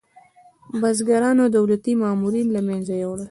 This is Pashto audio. بزګرانو دولتي مامورین له منځه یوړل.